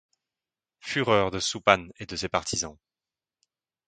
Fureur de Zsupán et de ses partisans.